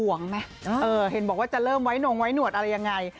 เห็นบอกว่าจะเริ่มไว้นงไว้หนวดอะไรยังไง